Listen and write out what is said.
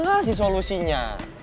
gue udah ngasih solusinya